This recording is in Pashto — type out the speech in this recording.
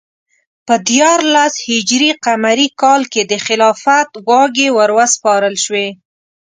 په دیارلس ه ق کال کې د خلافت واګې وروسپارل شوې.